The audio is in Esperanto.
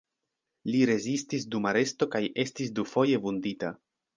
Li rezistis dum aresto kaj estis dufoje vundita.